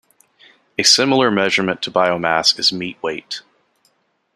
A similar measurement to biomass is meat weight.